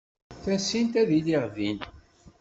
Tasint ad iliɣ din.